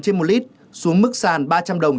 trên một lít xuống mức sàn ba trăm linh đồng